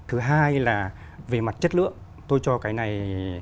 thứ hai là về mặt chất lượng tôi cho cái này